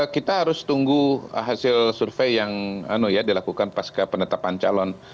kita harus tunggu hasil survei yang dilakukan pas ke penetapan calon